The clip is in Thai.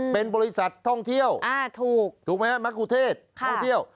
เป็นบริษัทท่องเที่ยวถูกไหมฮะมะคุเทศท่องเที่ยว